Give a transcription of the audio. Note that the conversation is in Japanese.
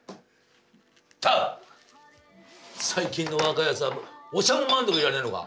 ったく最近の若いやつはお茶も満足にいれられねえのか。